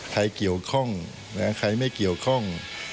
ใครเกี่ยวข้องใครไม่เกี่ยวข้อง